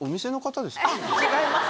違います